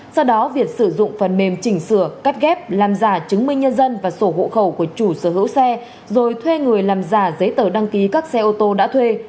sau đó việt sử dụng phần mềm chỉnh sửa cắt ghép làm giả chứng minh nhân dân và sổ hộ khẩu của chủ sở hữu xe rồi thuê người làm giả giấy tờ đăng ký các xe ô tô đã thuê